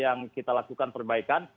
yang kita lakukan perbaikan